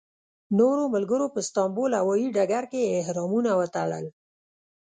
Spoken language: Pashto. نورو ملګرو په استانبول هوایي ډګر کې احرامونه وتړل.